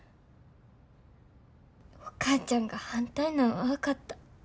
お母ちゃんが反対なんは分かった。